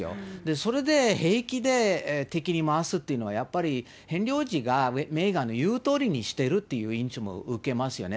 それで平気で敵に回すっていうのは、やっぱりヘンリー王子が、メーガンの言うとおりにしてるという印象も受けますよね。